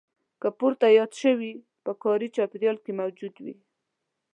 که پورته یاد شوي په کاري چاپېریال کې موجود وي.